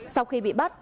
sau khi bị bắt